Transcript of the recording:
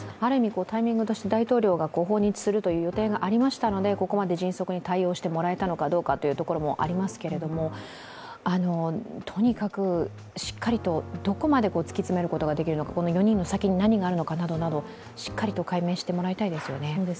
タイミングとして大統領が訪日するという予定がありましたのでここまで迅速に対応してもらえたのかどうかということがありますけどもとにかくしっかりとどこまで突き詰めることができるのか、４人の先に何があるのかなどしっかり解明してもらいたいです